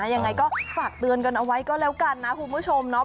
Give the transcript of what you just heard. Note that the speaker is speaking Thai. ยังไงก็ฝากเตือนกันเอาไว้ก็แล้วกันนะคุณผู้ชมเนาะ